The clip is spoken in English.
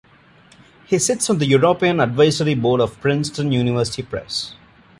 He sits on the European Advisory Board of Princeton University Press.